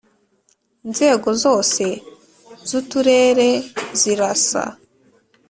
nzego zose z Uturere zirasa